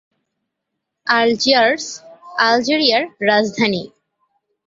Algiers আলজেরিয়ার রাজধানী।